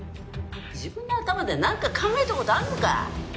自分の頭でなんか考えた事あんのか？